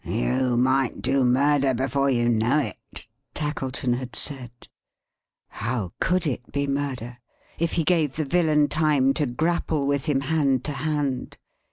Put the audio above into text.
"You might do Murder before you know it," Tackleton had said. How could it be Murder, if he gave the Villain time to grapple with him hand to hand!